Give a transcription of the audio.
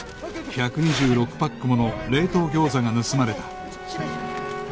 １２６パックもの冷凍餃子が盗まれた